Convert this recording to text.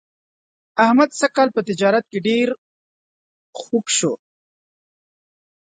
احمد سږ کال په تجارت کې ډېر خوږ شو.